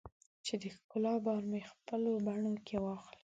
چې د ښکلا بار مې خپلو بڼو کې واخلې